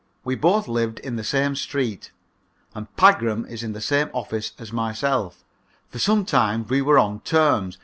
We both lived in the same street, and Pagram is in the same office as myself. For some time we were on terms.